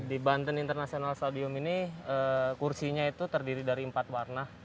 di banten international stadium ini kursinya itu terdiri dari empat warna